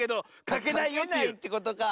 かけないってことか。